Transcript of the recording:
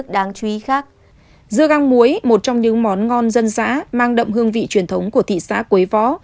dưa găng muối một trong những món ngon dân dã mang đậm hương vị truyền thống của thị xã quế võ